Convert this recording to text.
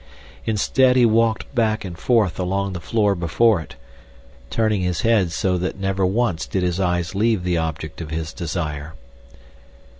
Instead, he walked back and forth along the floor before it, turning his head so that never once did his eyes leave the object of his desire.